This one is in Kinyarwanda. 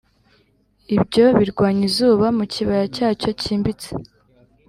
ibyo, birwanya izuba, mu kibaya cyacyo cyimbitse